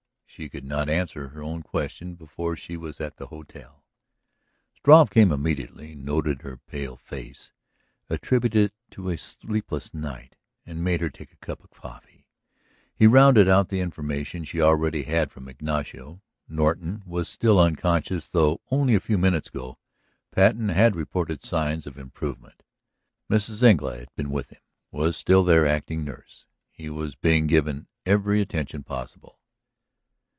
She could not answer her own question before she was at the hotel. Struve came immediately, noted her pale face, attributed it to a sleepless night, and made her take a cup of coffee. He rounded out the information she already had from Ignacio. Norton was still unconscious though, only a few minutes ago, Patten had reported signs of improvement. Mrs. Engle had been with him, was still there acting nurse; he was being given every attention possible.